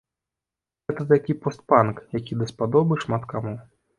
Гэта такі пост-панк, які даспадобы шмат каму.